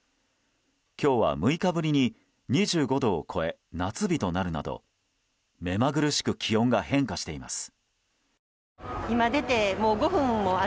今日は６日ぶりに２５度を超え夏日となるなど目まぐるしく気温が変化しています。